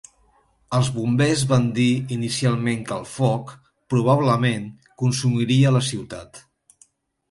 Els bombers van dir inicialment que el foc, probablement, consumiria la ciutat.